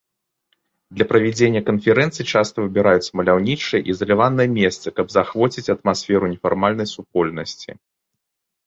Для правядзення канферэнцый часта выбіраюцца маляўнічыя і ізаляваныя месцы, каб заахвоціць атмасферу нефармальнай супольнасці.